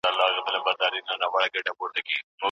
چي هر څو یې صبرومه مینه نه مني د عقل